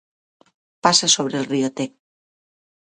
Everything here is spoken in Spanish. Pasa sobre el río Tec.